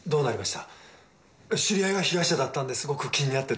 知り合いが被害者だったんですごく気になってて。